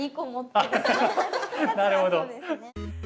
なるほど。